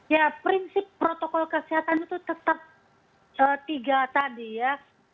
ya prinsip protokol kesehatan itu tetap tiga tadi ya